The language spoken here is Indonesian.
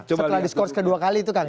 setelah diskurs kedua kali itu kan